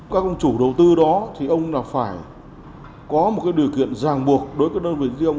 các ông chủ đầu tư đó thì ông là phải có một điều kiện ràng buộc đối với đơn vị riêng